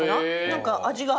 何か味が。